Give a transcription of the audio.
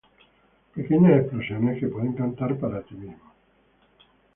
Pequeñas explosiones que puedes cantar para ti mismo.